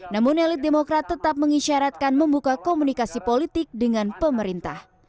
namun elit demokrat tetap mengisyaratkan membuka komunikasi politik dengan pemerintah